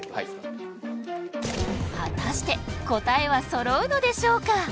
はい果たして答えは揃うのでしょうか？